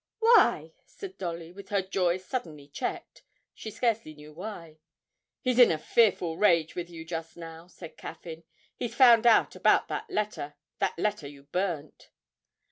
'Why?' said Dolly, with her joy suddenly checked she scarcely knew why. 'He's in a fearful rage with you just now,' said Caffyn; 'he's found out about that letter that letter you burnt.'